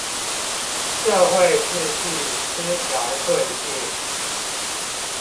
社會秩序失調困境